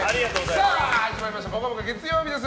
さあ、始まりました「ぽかぽか」月曜日です。